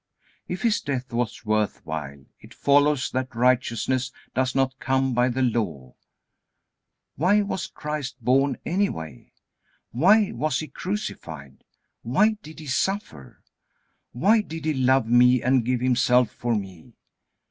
If His death was worth while, it follows that righteousness does not come by the Law. Why was Christ born anyway? Why was He crucified? Why did He suffer? Why did He love me and give Himself for me?